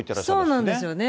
そうなんですよね。